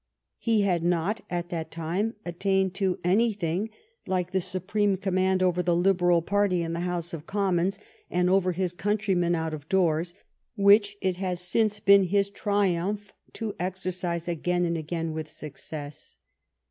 He had not at that time attained to anything like the supreme com mand over the Liberal party in the House of Commons, and over his countrymen out of doors, which it has since been his triumph to exercise again and again with success.